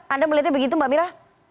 anda melihatnya begitu mbak mira